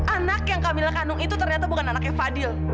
anak yang kami kandung itu ternyata bukan anaknya fadil